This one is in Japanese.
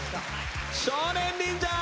少年忍者！